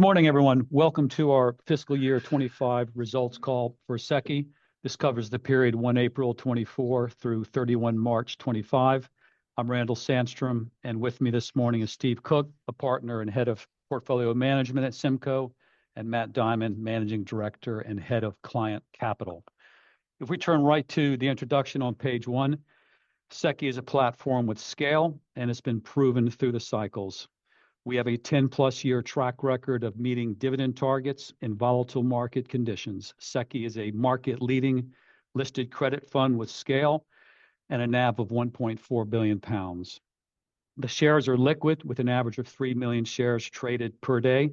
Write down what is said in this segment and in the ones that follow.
Good morning, everyone. Welcome to our Fiscal Year 2025 Results Call for SEQI. This covers the period 1 April, 2024 through 31 March, 2025. I'm Randall Sandstrom, and with me this morning is Steve Cook, a Partner and Head of Portfolio Management at SIMCo, and Matt Diamond, Managing Director and Head of Client Capital. If we turn right to the introduction on page one, SEQI is a platform with scale, and it's been proven through the cycles. We have a 10-plus year track record of meeting dividend targets in volatile market conditions. SEQI is a market-leading listed credit fund with scale and a NAV of 1.4 billion pounds. The shares are liquid, with an average of 3 million shares traded per day,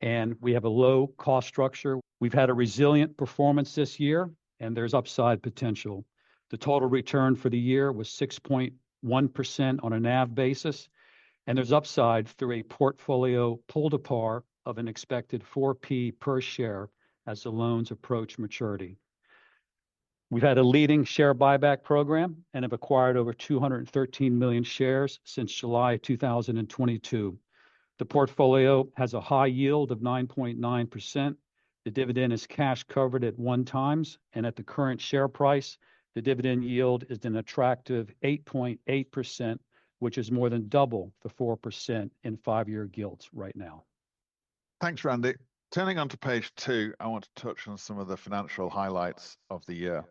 and we have a low-cost structure. We've had a resilient performance this year, and there's upside potential. The total return for the year was 6.1% on a NAV basis, and there's upside through a portfolio pull-to-par of an expected 4p per share as the loans approach maturity. We've had a leading share buyback program and have acquired over 213 million shares since July 2022. The portfolio has a high yield of 9.9%. The dividend is cash covered at one times, and at the current share price, the dividend yield is an attractive 8.8%, which is more than double the 4% in five-year yields right now. Thanks, Randy. Turning on to page two, I want to touch on some of the financial highlights of the year.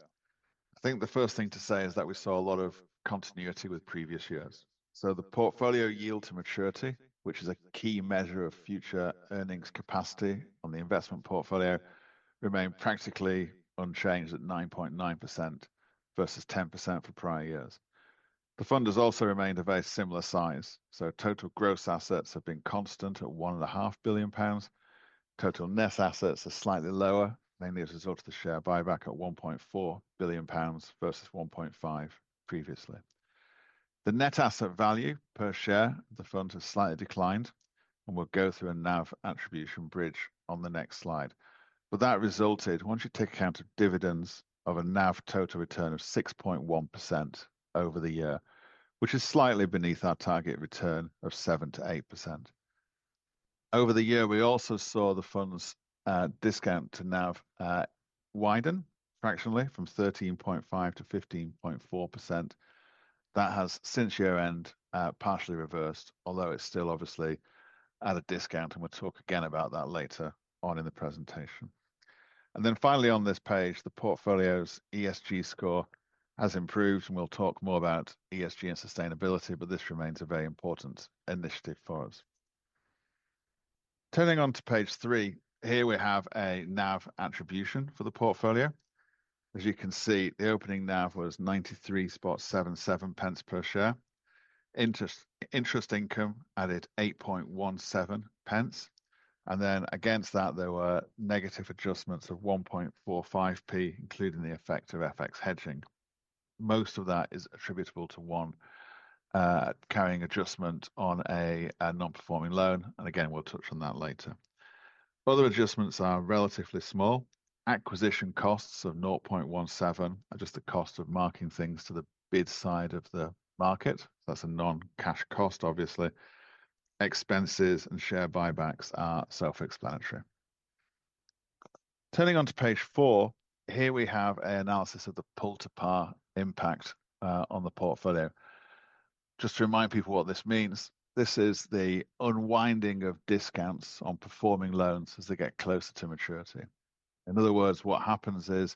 I think the first thing to say is that we saw a lot of continuity with previous years. The portfolio yield to maturity, which is a key measure of future earnings capacity on the investment portfolio, remained practically unchanged at 9.9% versus 10% for prior years. The fund has also remained a very similar size. Total gross assets have been constant at 1.5 billion pounds. Total net assets are slightly lower, mainly as a result of the share buyback at 1.4 billion pounds versus 1.5 billion previously. The net asset value per share of the fund has slightly declined, and we will go through a NAV attribution bridge on the next slide. That resulted, once you take account of dividends, in a NAV total return of 6.1% over the year, which is slightly beneath our target return of 7%-8%. Over the year, we also saw the fund's discount to NAV widen fractionally from 13.5%-15.4%. That has, since year-end, partially reversed, although it's still obviously at a discount, and we'll talk again about that later on in the presentation. Finally on this page, the portfolio's ESG score has improved, and we'll talk more about ESG and sustainability, but this remains a very important initiative for us. Turning on to page three, here we have a NAV attribution for the portfolio. As you can see, the opening NAV was 0.9377 per share. Interest income added 0.0817, and then against that, there were negative adjustments of 0.0145, including the effect of FX hedging. Most of that is attributable to one carrying adjustment on a non-performing loan, and again, we'll touch on that later. Other adjustments are relatively small. Acquisition costs of 0.17 are just the cost of marking things to the bid side of the market. That's a non-cash cost, obviously. Expenses and share buybacks are self-explanatory. Turning on to page four, here we have an analysis of the pull-to-par impact on the portfolio. Just to remind people what this means, this is the unwinding of discounts on performing loans as they get closer to maturity. In other words, what happens is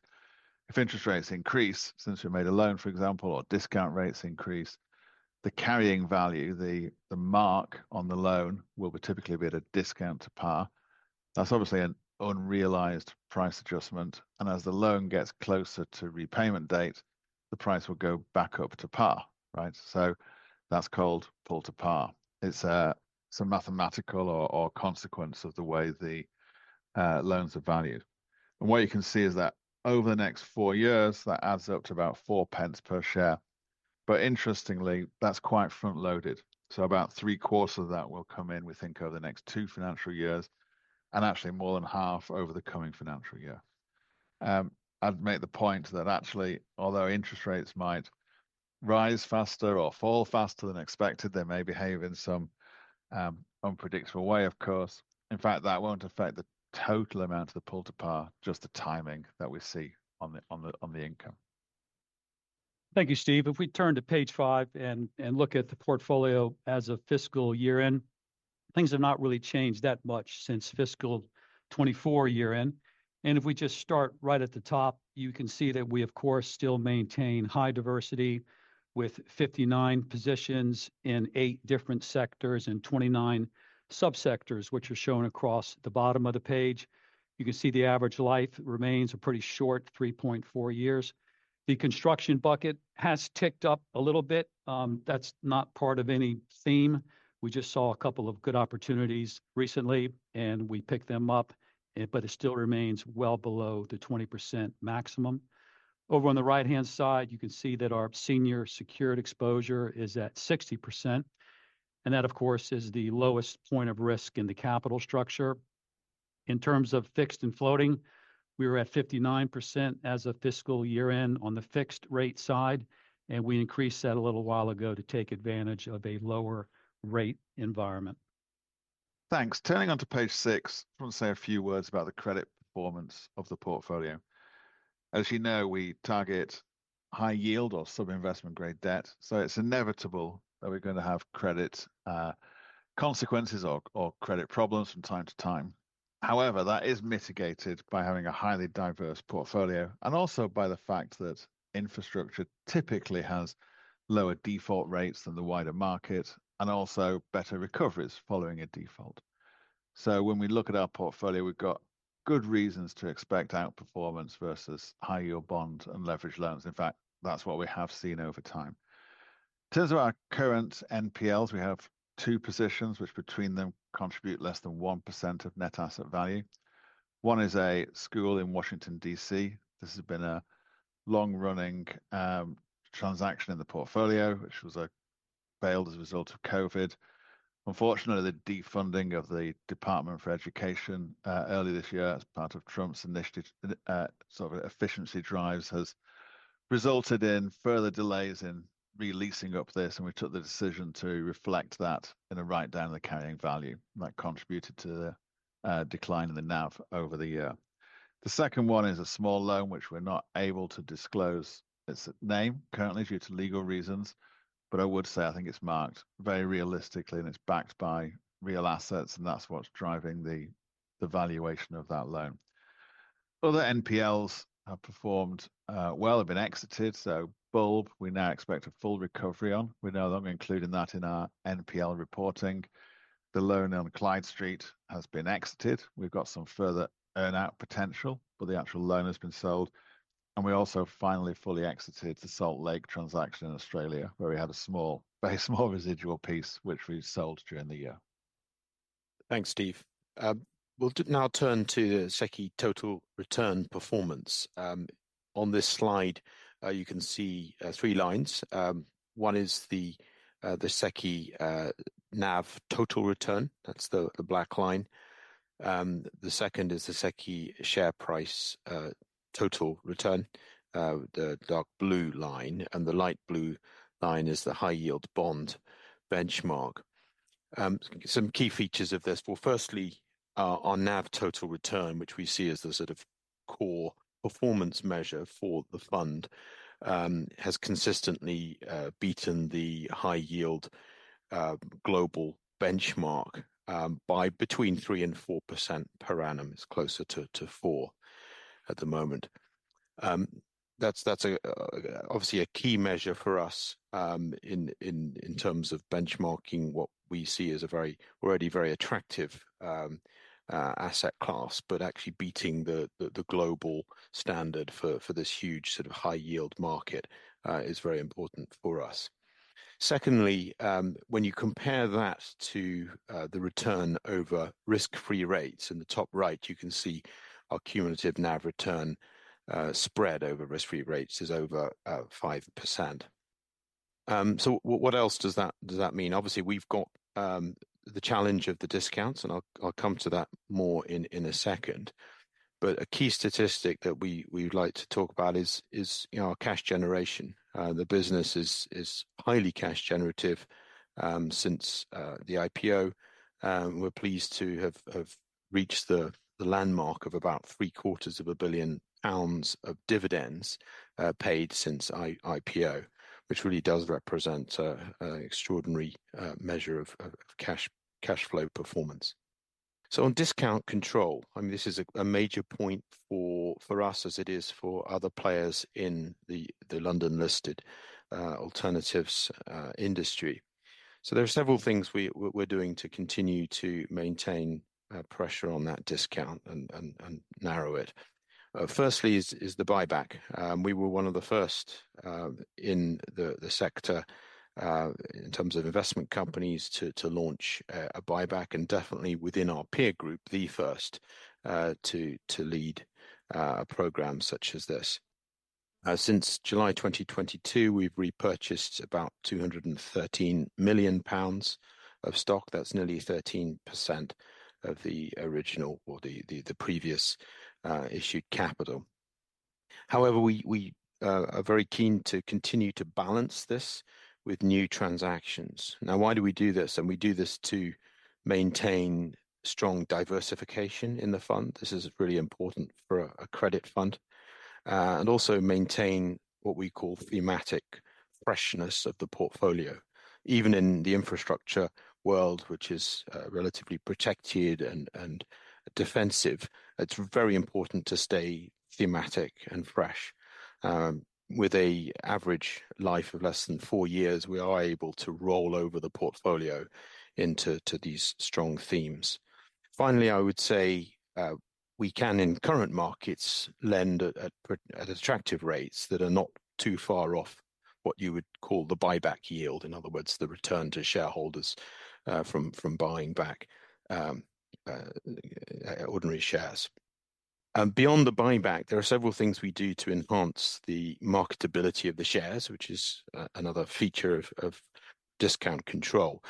if interest rates increase since we made a loan, for example, or discount rates increase, the carrying value, the mark on the loan, will typically be at a discount to par. That's obviously an unrealized price adjustment, and as the loan gets closer to repayment date, the price will go back up to par, right? That's called pull-to-par. It's a mathematical or consequence of the way the loans are valued. What you can see is that over the next four years, that adds up to about 4 pence per share. Interestingly, that's quite front-loaded. About three quarters of that will come in, we think, over the next two financial years, and actually more than half over the coming financial year. I'd make the point that actually, although interest rates might rise faster or fall faster than expected, they may behave in some unpredictable way, of course. In fact, that won't affect the total amount of the pull-to-par, just the timing that we see on the income. Thank you, Steve. If we turn to page five and look at the portfolio as of fiscal year-end, things have not really changed that much since fiscal 2024 year-end. If we just start right at the top, you can see that we, of course, still maintain high diversity with 59 positions in eight different sectors and 29 subsectors, which are shown across the bottom of the page. You can see the average life remains a pretty short 3.4 years. The construction bucket has ticked up a little bit. That is not part of any theme. We just saw a couple of good opportunities recently, and we picked them up, but it still remains well below the 20% maximum. Over on the right-hand side, you can see that our senior secured exposure is at 60%, and that, of course, is the lowest point of risk in the capital structure. In terms of fixed and floating, we were at 59% as of fiscal year-end on the fixed rate side, and we increased that a little while ago to take advantage of a lower rate environment. Thanks. Turning on to page six, I want to say a few words about the credit performance of the portfolio. As you know, we target high yield or sub-investment-grade debt, so it's inevitable that we're going to have credit consequences or credit problems from time to time. However, that is mitigated by having a highly diverse portfolio and also by the fact that infrastructure typically has lower default rates than the wider market and also better recoveries following a default. When we look at our portfolio, we've got good reasons to expect outperformance versus high-yield bonds and leveraged loans. In fact, that's what we have seen over time. In terms of our current NPLs, we have two positions, which between them contribute less than 1% of net asset value. One is a school in Washington, D.C.. This has been a long-running transaction in the portfolio, which was bailed as a result of COVID. Unfortunately, the defunding of the Department for Education earlier this year as part of Trump's initiative sort of efficiency drives has resulted in further delays in releasing up this, and we took the decision to reflect that in a write-down of the carrying value that contributed to the decline in the NAV over the year. The second one is a small loan, which we're not able to disclose its name currently due to legal reasons, but I would say I think it's marked very realistically, and it's backed by real assets, and that's what's driving the valuation of that loan. Other NPLs have performed well, have been exited, so Bulb we now expect a full recovery on. We're no longer including that in our NPL reporting. The loan on Clyde Street has been exited. We've got some further earn-out potential, but the actual loan has been sold, and we also finally fully exited the Salt Lake transaction in Australia, where we had a small, very small residual piece, which we sold during the year. Thanks, Steve. We'll now turn to the SEQI total return performance. On this slide, you can see three lines. One is the SEQI NAV total return. That's the black line. The second is the SEQI share price total return, the dark blue line, and the light blue line is the high-yield bond benchmark. Some key features of this, firstly, our NAV total return, which we see as the sort of core performance measure for the fund, has consistently beaten the high-yield global benchmark by between 3% and 4% per annum. It's closer to 4% at the moment. That's obviously a key measure for us in terms of benchmarking what we see as a very, already very attractive asset class, but actually beating the global standard for this huge sort of high-yield market is very important for us. Secondly, when you compare that to the return over risk-free rates in the top right, you can see our cumulative NAV return spread over risk-free rates is over 5%. What else does that mean? Obviously, we've got the challenge of the discounts, and I'll come to that more in a second. A key statistic that we'd like to talk about is our cash generation. The business is highly cash-generative since the IPO. We're pleased to have reached the landmark of about 750,000,000 pounds of dividends paid since IPO, which really does represent an extraordinary measure of cash flow performance. On discount control, I mean, this is a major point for us as it is for other players in the London-listed alternatives industry. There are several things we're doing to continue to maintain pressure on that discount and narrow it. Firstly is the buyback. We were one of the first in the sector in terms of investment companies to launch a buyback, and definitely within our peer group, the first to lead a program such as this. Since July 2022, we have repurchased about 213 million pounds of stock. That is nearly 13% of the original or the previous issued capital. However, we are very keen to continue to balance this with new transactions. Now, why do we do this? We do this to maintain strong diversification in the fund. This is really important for a credit fund and also maintain what we call thematic freshness of the portfolio. Even in the infrastructure world, which is relatively protected and defensive, it is very important to stay thematic and fresh. With an average life of less than four years, we are able to roll over the portfolio into these strong themes. Finally, I would say we can, in current markets, lend at attractive rates that are not too far off what you would call the buyback yield. In other words, the return to shareholders from buying back ordinary shares. Beyond the buyback, there are several things we do to enhance the marketability of the shares, which is another feature of discount control.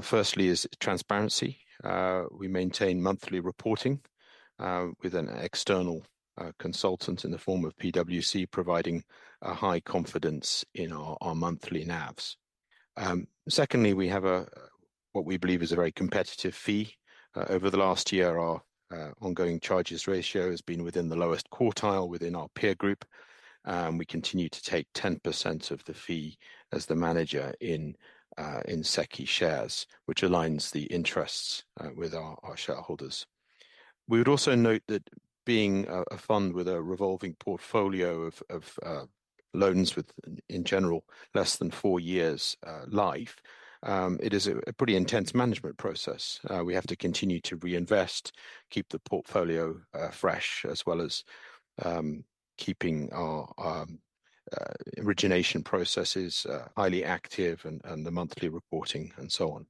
Firstly is transparency. We maintain monthly reporting with an external consultant in the form of PwC, providing a high confidence in our monthly NAVs. Secondly, we have what we believe is a very competitive fee. Over the last year, our ongoing charges ratio has been within the lowest quartile within our peer group. We continue to take 10% of the fee as the manager in SEQI shares, which aligns the interests with our shareholders. We would also note that being a fund with a revolving portfolio of loans with, in general, less than four years' life, it is a pretty intense management process. We have to continue to reinvest, keep the portfolio fresh, as well as keeping our origination processes highly active and the monthly reporting and so on.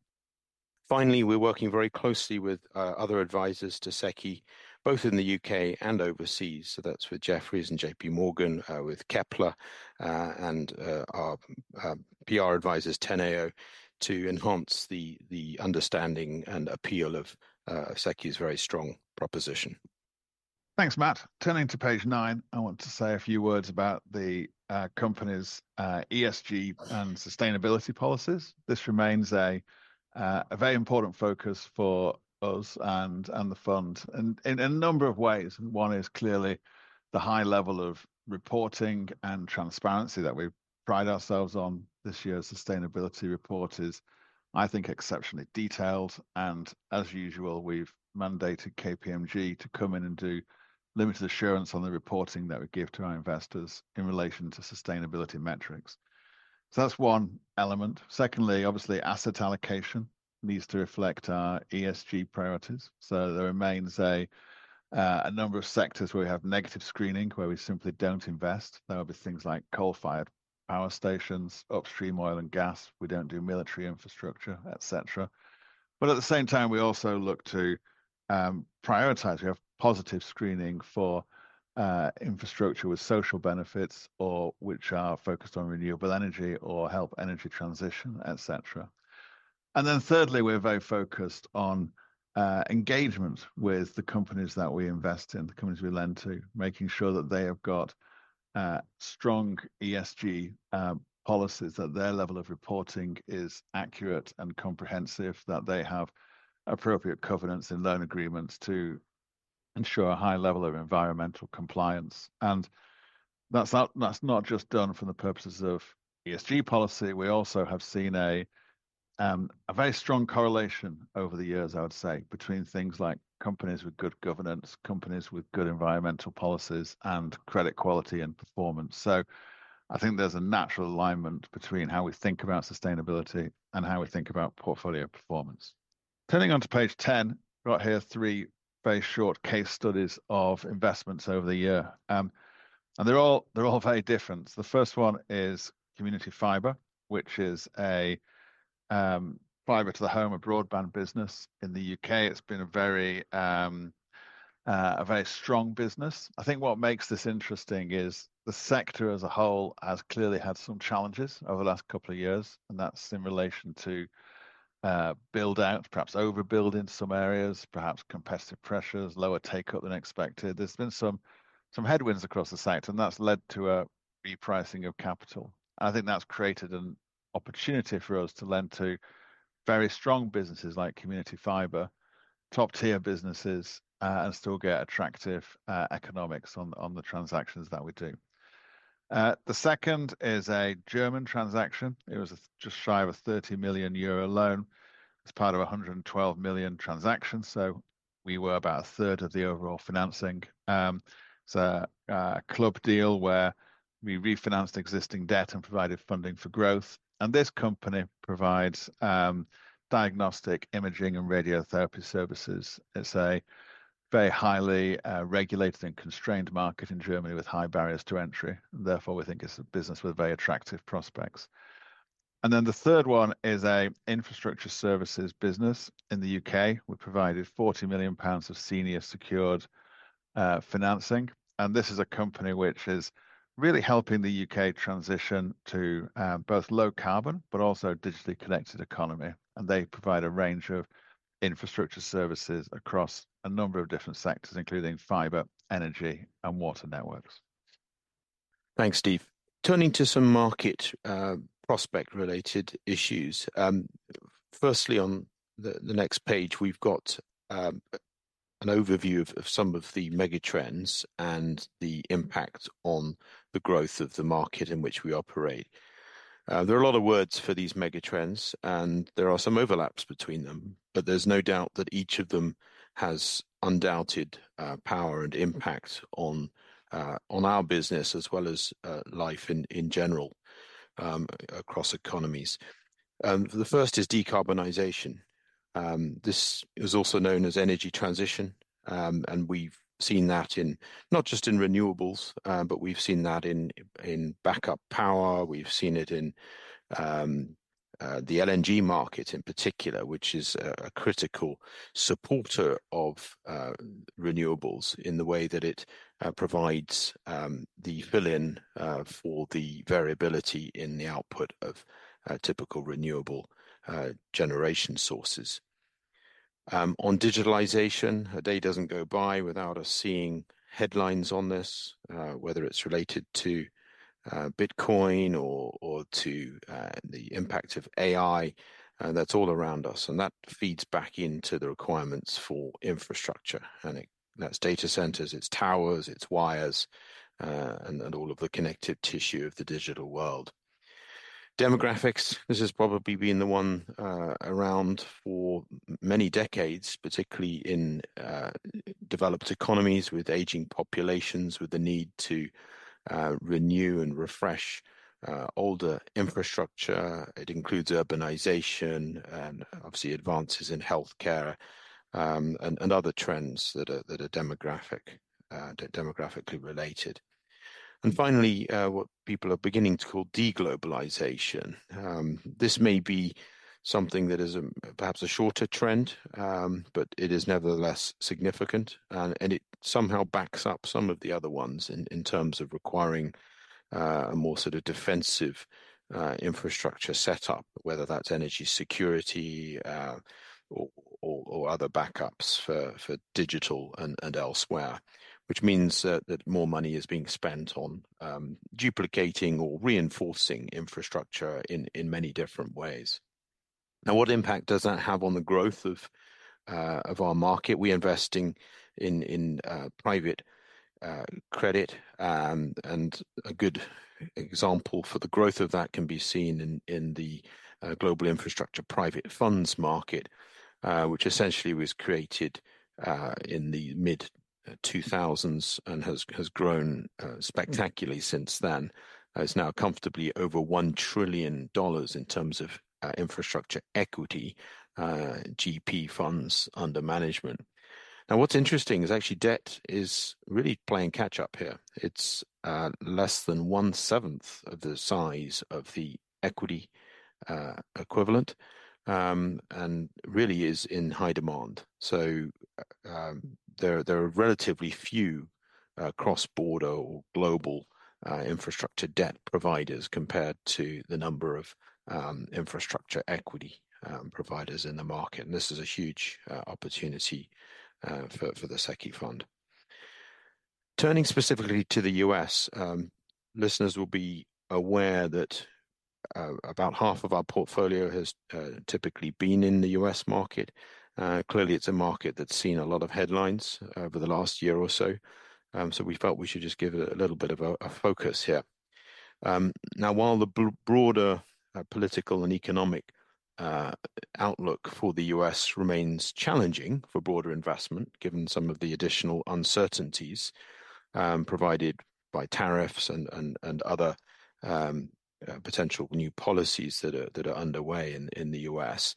Finally, we are working very closely with other advisors to SEQI, both in the U.K. and overseas. That is with Jefferies and JPMorgan, with Kepler, and our PR advisors, Teneo, to enhance the understanding and appeal of SEQI's very strong proposition. Thanks, Matt. Turning to page nine, I want to say a few words about the company's ESG and sustainability policies. This remains a very important focus for us and the fund in a number of ways. One is clearly the high level of reporting and transparency that we pride ourselves on. This year's sustainability report is, I think, exceptionally detailed, and as usual, we've mandated KPMG to come in and do limited assurance on the reporting that we give to our investors in relation to sustainability metrics. That's one element. Secondly, obviously, asset allocation needs to reflect our ESG priorities. There remains a number of sectors where we have negative screening where we simply don't invest. There will be things like coal-fired power stations, upstream oil and gas. We don't do military infrastructure, etc. At the same time, we also look to prioritize positive screening for infrastructure with social benefits or which are focused on renewable energy or help energy transition, etc. Thirdly, we're very focused on engagement with the companies that we invest in, the companies we lend to, making sure that they have got strong ESG policies, that their level of reporting is accurate and comprehensive, that they have appropriate covenants in loan agreements to ensure a high level of environmental compliance. That's not just done for the purposes of ESG policy. We also have seen a very strong correlation over the years, I would say, between things like companies with good governance, companies with good environmental policies, and credit quality and performance. I think there's a natural alignment between how we think about sustainability and how we think about portfolio performance. Turning on to page 10, we've got here three very short case studies of investments over the year. They're all very different. The first one is Community Fiber, which is a fiber-to-the-home broadband business in the U.K.. It's been a very strong business. I think what makes this interesting is the sector as a whole has clearly had some challenges over the last couple of years, and that's in relation to build-out, perhaps overbuild in some areas, perhaps competitive pressures, lower take-up than expected. There's been some headwinds across the sector, and that's led to a repricing of capital. I think that's created an opportunity for us to lend to very strong businesses like Community Fiber, top-tier businesses, and still get attractive economics on the transactions that we do. The second is a German transaction. It was just shy of 30 million euro loan as part of a 112 million transaction. So we were about a third of the overall financing. It's a club deal where we refinanced existing debt and provided funding for growth. This company provides diagnostic imaging and radiotherapy services. It's a very highly regulated and constrained market in Germany with high barriers to entry. Therefore, we think it's a business with very attractive prospects. The third one is an infrastructure services business in the U.K.. We provided 40 million pounds of senior secured financing. This is a company which is really helping the U.K. transition to both low carbon, but also a digitally connected economy. They provide a range of infrastructure services across a number of different sectors, including fiber, energy, and water networks. Thanks, Steve. Turning to some market prospect-related issues. Firstly, on the next page, we've got an overview of some of the megatrends and the impact on the growth of the market in which we operate. There are a lot of words for these megatrends, and there are some overlaps between them, but there's no doubt that each of them has undoubted power and impact on our business as well as life in general across economies. The first is decarbonization. This is also known as energy transition, and we've seen that not just in renewables, but we've seen that in backup power. We've seen it in the LNG market in particular, which is a critical supporter of renewables in the way that it provides the fill-in for the variability in the output of typical renewable generation sources. On digitalization, a day doesn't go by without us seeing headlines on this, whether it's related to Bitcoin or to the impact of AI. That's all around us, and that feeds back into the requirements for infrastructure. That is data centers, its towers, its wires, and all of the connective tissue of the digital world. Demographics, this has probably been the one around for many decades, particularly in developed economies with aging populations, with the need to renew and refresh older infrastructure. It includes urbanization and obviously advances in healthcare and other trends that are demographically related. Finally, what people are beginning to call deglobalization. This may be something that is perhaps a shorter trend, but it is nevertheless significant, and it somehow backs up some of the other ones in terms of requiring a more sort of defensive infrastructure setup, whether that is energy security or other backups for digital and elsewhere, which means that more money is being spent on duplicating or reinforcing infrastructure in many different ways. Now, what impact does that have on the growth of our market? We're investing in private credit, and a good example for the growth of that can be seen in the global infrastructure private funds market, which essentially was created in the mid-2000s and has grown spectacularly since then. It's now comfortably over $1 trillion in terms of infrastructure equity, GP funds under management. Now, what's interesting is actually debt is really playing catch-up here. It's less than one-seventh of the size of the equity equivalent and really is in high demand. There are relatively few cross-border or global infrastructure debt providers compared to the number of infrastructure equity providers in the market. This is a huge opportunity for the SEQI fund. Turning specifically to the U.S., listeners will be aware that about half of our portfolio has typically been in the U.S. market. Clearly, it's a market that's seen a lot of headlines over the last year or so. We felt we should just give it a little bit of a focus here. Now, while the broader political and economic outlook for the U.S. remains challenging for broader investment, given some of the additional uncertainties provided by tariffs and other potential new policies that are underway in the U.S.,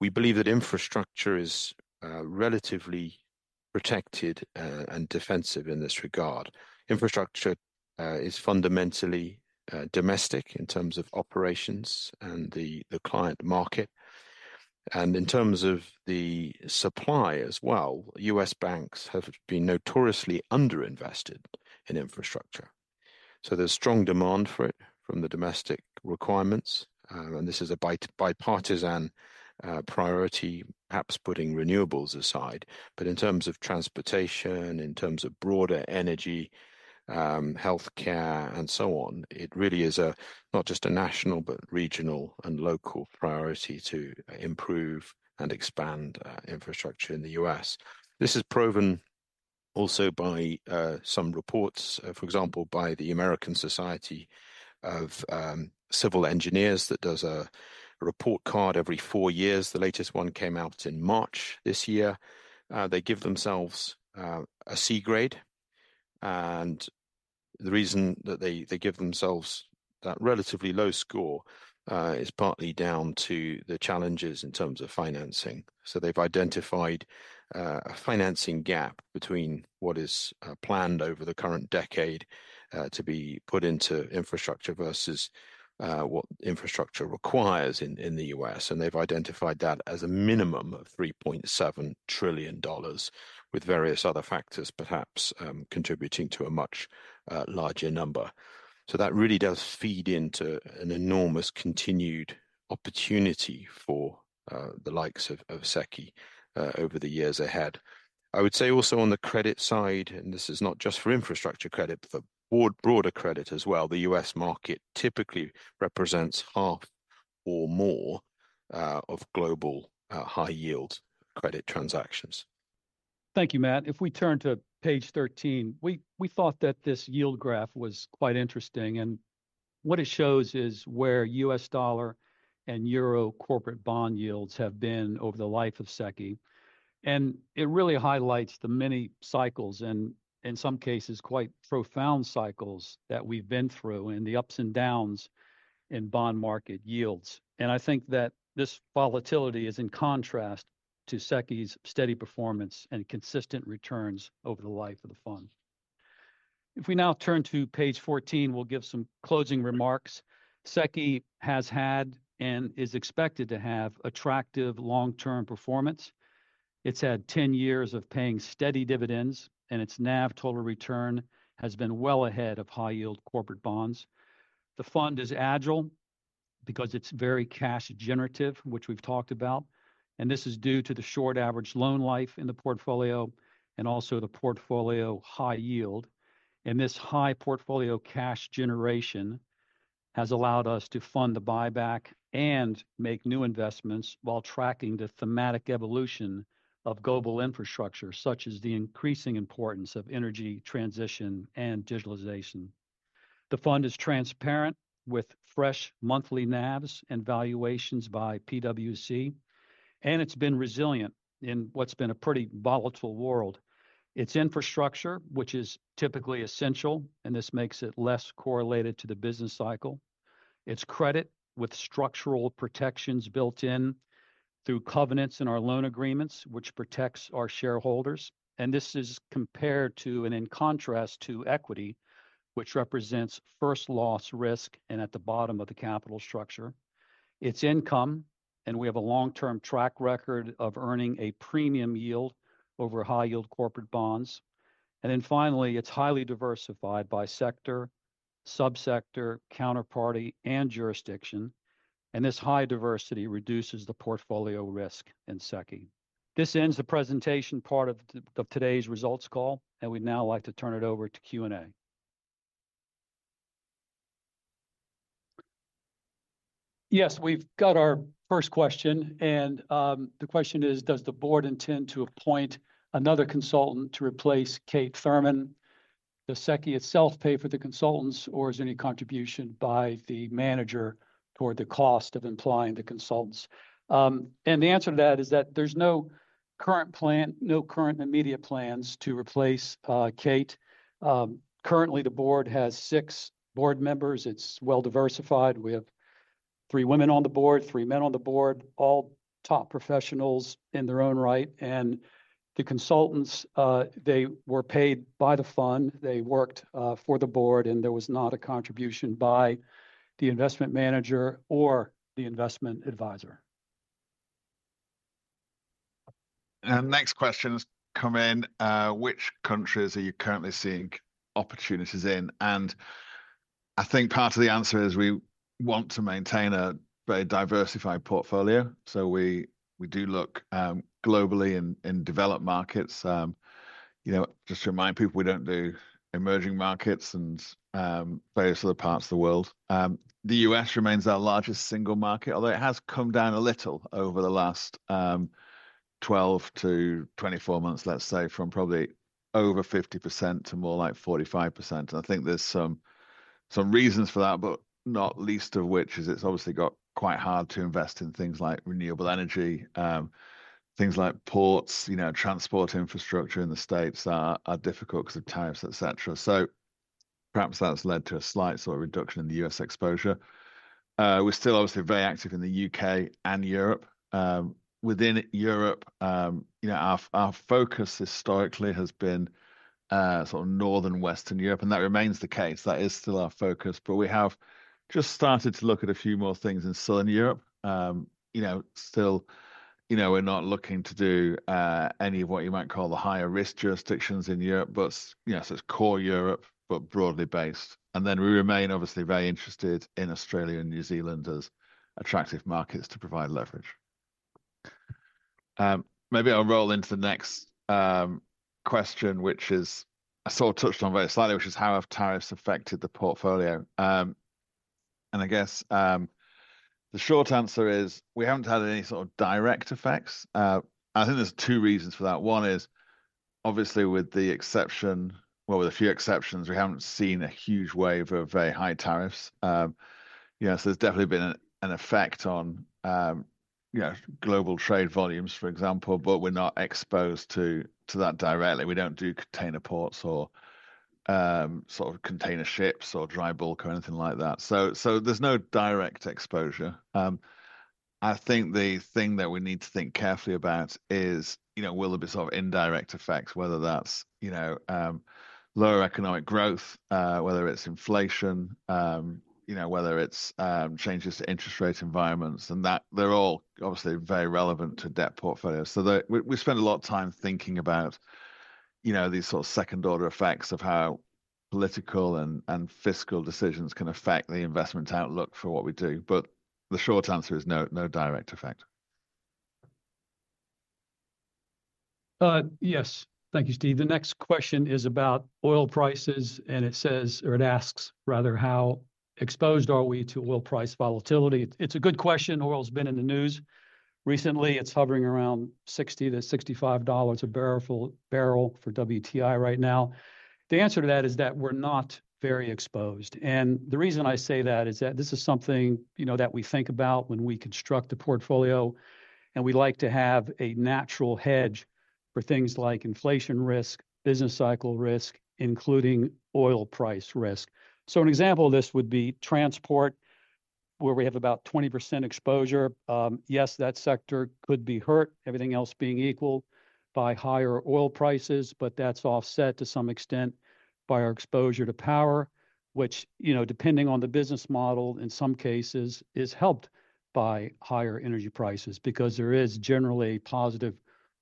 we believe that infrastructure is relatively protected and defensive in this regard. Infrastructure is fundamentally domestic in terms of operations and the client market. In terms of the supply as well, U.S. banks have been notoriously underinvested in infrastructure. There is strong demand for it from the domestic requirements. This is a bipartisan priority, perhaps putting renewables aside. In terms of transportation, in terms of broader energy, healthcare, and so on, it really is not just a national, but regional and local priority to improve and expand infrastructure in the U.S.. This is proven also by some reports, for example, by the American Society of Civil Engineers that does a report card every four years. The latest one came out in March this year. They give themselves a C grade. The reason that they give themselves that relatively low score is partly down to the challenges in terms of financing. They have identified a financing gap between what is planned over the current decade to be put into infrastructure versus what infrastructure requires in the U.S.. They have identified that as a minimum of $3.7 trillion, with various other factors perhaps contributing to a much larger number. That really does feed into an enormous continued opportunity for the likes of SEQI over the years ahead. I would say also on the credit side, and this is not just for infrastructure credit, but for broader credit as well, the U.S. market typically represents half or more of global high-yield credit transactions. Thank you, Matt. If we turn to page 13, we thought that this yield graph was quite interesting. What it shows is where U.S. dollar and euro corporate bond yields have been over the life of SEQI. It really highlights the many cycles and in some cases, quite profound cycles that we have been through and the ups and downs in bond market yields. I think that this volatility is in contrast to SEQI's steady performance and consistent returns over the life of the fund. If we now turn to page 14, we will give some closing remarks. SEQI has had and is expected to have attractive long-term performance. It's had 10 years of paying steady dividends, and its NAV total return has been well ahead of high-yield corporate bonds. The fund is agile because it's very cash generative, which we've talked about. This is due to the short average loan life in the portfolio and also the portfolio high yield. This high portfolio cash generation has allowed us to fund the buyback and make new investments while tracking the thematic evolution of global infrastructure, such as the increasing importance of energy transition and digitalization. The fund is transparent with fresh monthly NAVs and valuations by PwC. It's been resilient in what's been a pretty volatile world. Its infrastructure, which is typically essential, and this makes it less correlated to the business cycle. Its credit with structural protections built in through covenants in our loan agreements, which protects our shareholders. This is compared to and in contrast to equity, which represents first loss risk and is at the bottom of the capital structure. Its income, and we have a long-term track record of earning a premium yield over high-yield corporate bonds. Finally, it is highly diversified by sector, subsector, counterparty, and jurisdiction. This high diversity reduces the portfolio risk in SEQI. This ends the presentation part of today's results call, and we would now like to turn it over to Q&A. Yes, we have our first question. The question is, does the board intend to appoint another consultant to replace Kate Thurman? Does SEQI itself pay for the consultants, or is there any contribution by the manager toward the cost of employing the consultants? The answer to that is that there is no current plan, no current immediate plans to replace Kate. Currently, the board has six board members. It is well diversified. We have three women on the board, three men on the board, all top professionals in their own right. The consultants, they were paid by the fund. They worked for the board, and there was not a contribution by the investment manager or the investment advisor. Next question has come in. Which countries are you currently seeing opportunities in? I think part of the answer is we want to maintain a very diversified portfolio. We do look globally in developed markets. Just to remind people, we do not do emerging markets and various other parts of the world. The U.S. remains our largest single market, although it has come down a little over the last 12-24 months, let's say, from probably over 50% to more like 45%. I think there are some reasons for that, not least of which is it has obviously got quite hard to invest in things like renewable energy. Things like ports, transport infrastructure in the States are difficult because of tariffs, et cetera. Perhaps that has led to a slight sort of reduction in the U.S. exposure. We are still obviously very active in the U.K. and Europe. Within Europe, our focus historically has been sort of northern Western Europe, and that remains the case. That is still our focus, but we have just started to look at a few more things in Southern Europe. Still, we're not looking to do any of what you might call the higher risk jurisdictions in Europe, but it's core Europe, but broadly based. We remain obviously very interested in Australia and New Zealand as attractive markets to provide leverage. Maybe I'll roll into the next question, which I sort of touched on very slightly, which is how have tariffs affected the portfolio? I guess the short answer is we haven't had any sort of direct effects. I think there are two reasons for that. One is obviously with the exception, well, with a few exceptions, we haven't seen a huge wave of very high tariffs. There's definitely been an effect on global trade volumes, for example, but we're not exposed to that directly. We don't do container ports or sort of container ships or dry bulk or anything like that. There's no direct exposure. I think the thing that we need to think carefully about is will there be sort of indirect effects, whether that's lower economic growth, whether it's inflation, whether it's changes to interest rate environments. They're all obviously very relevant to debt portfolios. We spend a lot of time thinking about these sort of second-order effects of how political and fiscal decisions can affect the investment outlook for what we do. The short answer is no direct effect. Yes, thank you, Steve. The next question is about oil prices, and it says, or it asks rather, how exposed are we to oil price volatility? It's a good question. Oil has been in the news recently. It's hovering around $60-$65 a barrel for WTI right now. The answer to that is that we're not very exposed. The reason I say that is that this is something that we think about when we construct a portfolio, and we like to have a natural hedge for things like inflation risk, business cycle risk, including oil price risk. An example of this would be transport, where we have about 20% exposure. Yes, that sector could be hurt, everything else being equal by higher oil prices, but that's offset to some extent by our exposure to power, which, depending on the business model, in some cases is helped by higher energy prices because there is generally a positive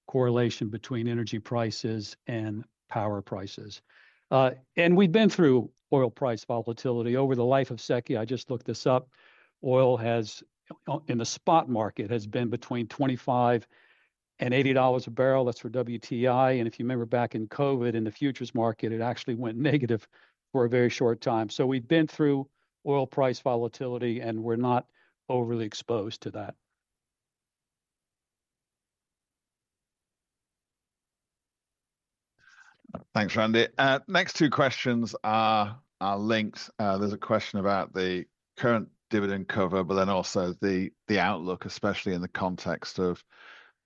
correlation between energy prices and power prices. We have been through oil price volatility over the life of SEQI. I just looked this up. Oil in the spot market has been between $25 and $80 a barrel. That's for WTI. If you remember back in COVID in the futures market, it actually went negative for a very short time. We have been through oil price volatility, and we're not overly exposed to that. Thanks, Randy. Next two questions are linked. There's a question about the current dividend cover, but then also the outlook, especially in the context of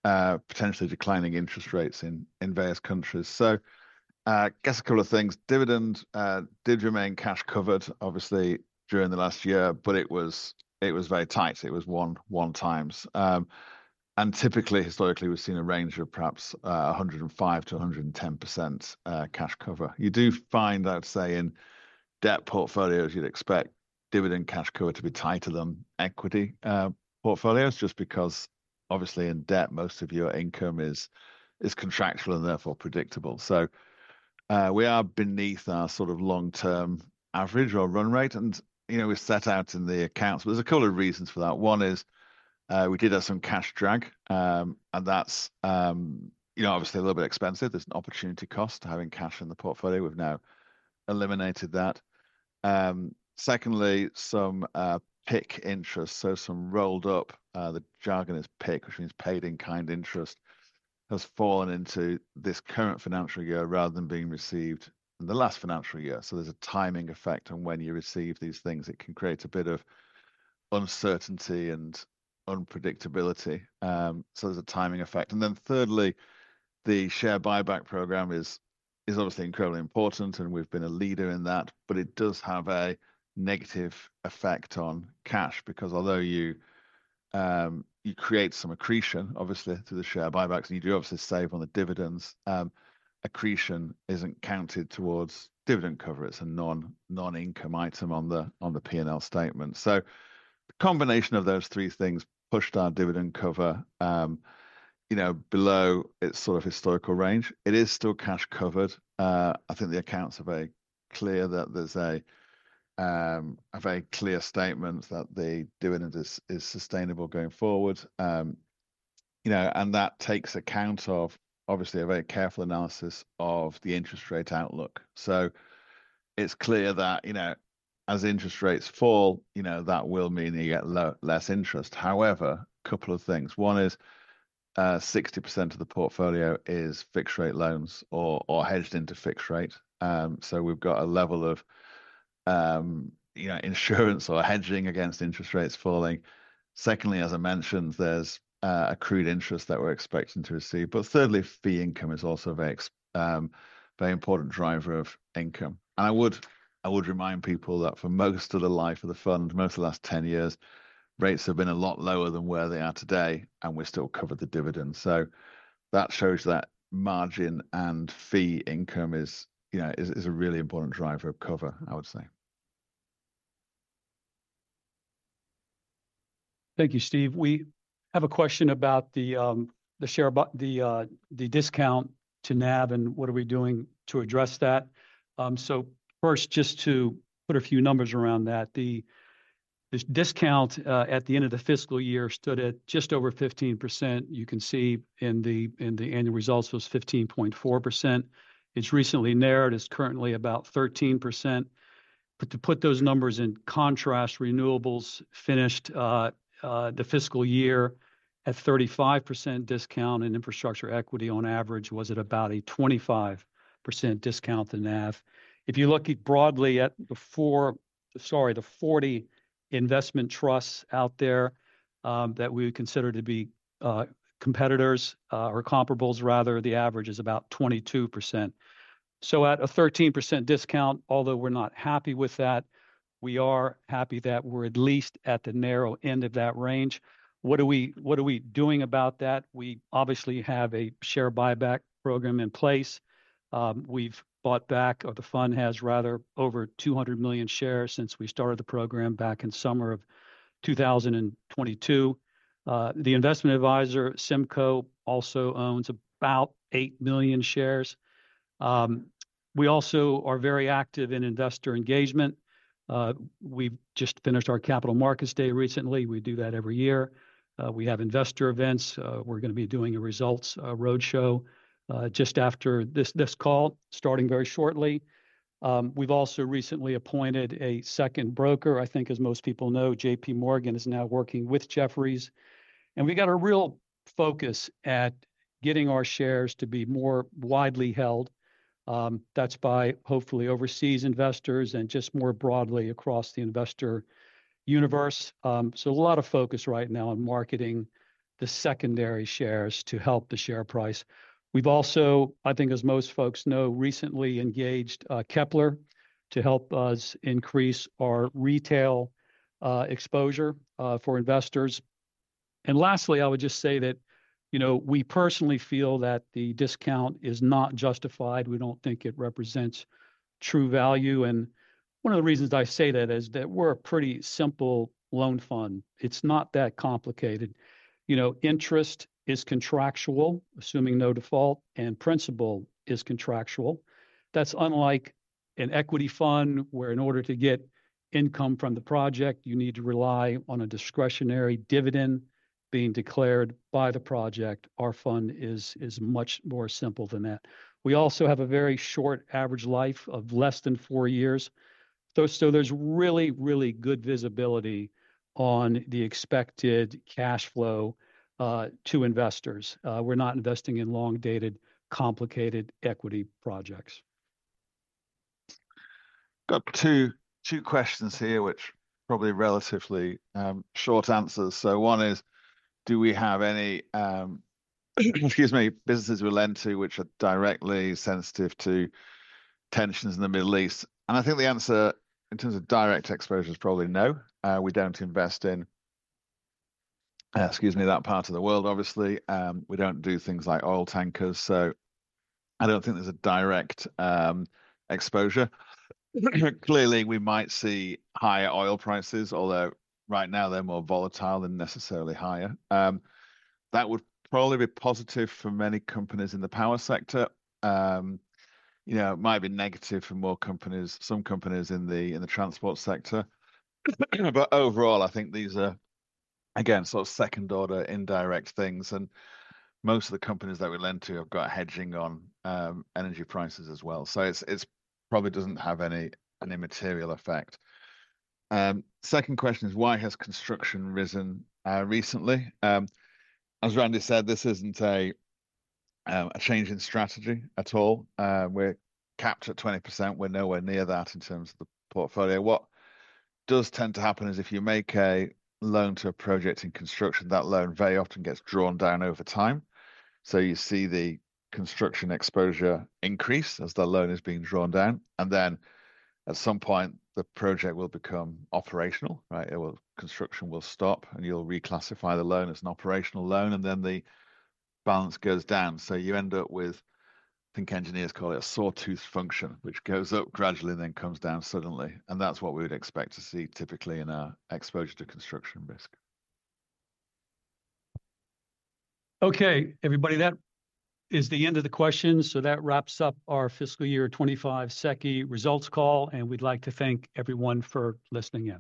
potentially declining interest rates in various countries. I guess a couple of things. Dividend did remain cash covered, obviously, during the last year, but it was very tight. It was 1 times. Typically, historically, we've seen a range of perhaps 105%-110% cash cover. You do find, I'd say, in debt portfolios, you'd expect dividend cash cover to be tighter than equity portfolios just because, obviously, in debt, most of your income is contractual and therefore predictable. We are beneath our sort of long-term average or run rate. We set out in the accounts, but there's a couple of reasons for that. One is we did have some cash drag, and that's obviously a little bit expensive. There's an opportunity cost to having cash in the portfolio. We've now eliminated that. Secondly, some PIK interest, so some rolled up, the jargon is PIK, which means paid-in-kind interest, has fallen into this current financial year rather than being received in the last financial year. There is a timing effect on when you receive these things. It can create a bit of uncertainty and unpredictability. There is a timing effect. Thirdly, the share buyback program is obviously incredibly important, and we've been a leader in that, but it does have a negative effect on cash because although you create some accretion, obviously, through the share buybacks, and you do obviously save on the dividends, accretion isn't counted towards dividend cover. It's a non-income item on the P&L statement. The combination of those three things pushed our dividend cover below its sort of historical range. It is still cash covered. I think the accounts are very clear that there's a very clear statement that the dividend is sustainable going forward. That takes account of, obviously, a very careful analysis of the interest rate outlook. It is clear that as interest rates fall, that will mean you get less interest. However, a couple of things. One is 60% of the portfolio is fixed-rate loans or hedged into fixed rate. We have a level of insurance or hedging against interest rates falling. Secondly, as I mentioned, there's accrued interest that we're expecting to receive. Thirdly, fee income is also a very important driver of income. I would remind people that for most of the life of the fund, most of the last 10 years, rates have been a lot lower than where they are today, and we still cover the dividends. That shows that margin and fee income is a really important driver of cover, I would say. Thank you, Steve. We have a question about the discount to NAV and what are we doing to address that. First, just to put a few numbers around that, the discount at the end of the fiscal year stood at just over 15%. You can see in the annual results it was 15.4%. It's recently narrowed. It's currently about 13%. To put those numbers in contrast, renewables finished the fiscal year at a 35% discount and infrastructure equity on average was at about a 25% discount to NAV. If you look broadly at the 40 investment trusts out there that we would consider to be competitors or comparables, rather, the average is about 22%. At a 13% discount, although we're not happy with that, we are happy that we're at least at the narrow end of that range. What are we doing about that? We obviously have a share buyback program in place. We have bought back, or the fund has rather, over 200 million shares since we started the program back in summer of 2022. The investment advisor, SIMCo, also owns about 8 million shares. We also are very active in investor engagement. We have just finished our capital markets day recently. We do that every year. We have investor events. We are going to be doing a results roadshow just after this call, starting very shortly. We have also recently appointed a second broker. I think, as most people know, JPMorgan is now working with Jefferies. We have got a real focus at getting our shares to be more widely held. That is by hopefully overseas investors and just more broadly across the investor universe. A lot of focus right now is on marketing the secondary shares to help the share price. We've also, I think, as most folks know, recently engaged Kepler to help us increase our retail exposure for investors. Lastly, I would just say that we personally feel that the discount is not justified. We don't think it represents true value. One of the reasons I say that is that we're a pretty simple loan fund. It's not that complicated. Interest is contractual, assuming no default, and principal is contractual. That's unlike an equity fund where in order to get income from the project, you need to rely on a discretionary dividend being declared by the project. Our fund is much more simple than that. We also have a very short average life of less than four years. There's really, really good visibility on the expected cash flow to investors. We're not investing in long-dated, complicated equity projects. Got two questions here, which are probably relatively short answers. One is, do we have any, excuse me, businesses we lend to which are directly sensitive to tensions in the Middle East? I think the answer in terms of direct exposure is probably no. We do not invest in, excuse me, that part of the world, obviously. We do not do things like oil tankers. I do not think there is a direct exposure. Clearly, we might see higher oil prices, although right now they are more volatile than necessarily higher. That would probably be positive for many companies in the power sector. It might be negative for some companies in the transport sector. Overall, I think these are, again, sort of second-order indirect things. Most of the companies that we lend to have got hedging on energy prices as well. It probably does not have any immaterial effect. Second question is, why has construction risen recently? As Randy said, this isn't a change in strategy at all. We're capped at 20%. We're nowhere near that in terms of the portfolio. What does tend to happen is if you make a loan to a project in construction, that loan very often gets drawn down over time. You see the construction exposure increase as the loan is being drawn down. At some point, the project will become operational, right? Construction will stop, and you'll reclassify the loan as an operational loan, and then the balance goes down. You end up with, I think engineers call it a sawtooth function, which goes up gradually and then comes down suddenly. That is what we would expect to see typically in our exposure to construction risk. Okay, everybody, that is the end of the questions. That wraps up our Fiscal Year 2025 SEQI Results Call, and we'd like to thank everyone for listening in.